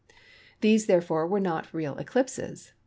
These, therefore, were not real eclipses.